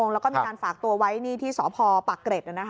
และมีการฝากตัวไว้ที่สพปกเกร็จนี่นะคะ